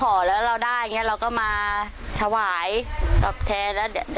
โแล้วจะขอยังวันนี้ขอยัง